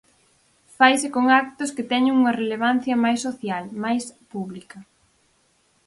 Faise con actos que teñen unha relevancia máis social, máis pública.